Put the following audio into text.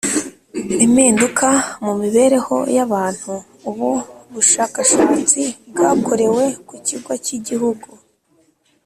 Impinduka mu mibereho y abantu ubu bushakashatsi bwakorewe ku kigo cy igihugu